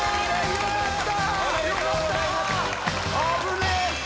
よかった！